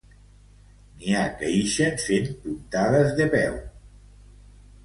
N'hi ha que ixen fent puntades de peu.